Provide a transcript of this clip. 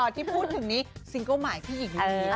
ที่พูดถึงนี้ซิงโก้มายพี่หญิงลี